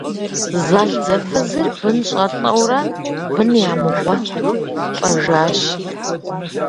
Зэлӏзэфызыр бынщӏэлӏэурэ, бын ямыгъуэту лӏэжащ.